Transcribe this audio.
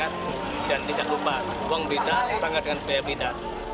dan tidak lupa kuang blitar bangga dengan pemkot blitar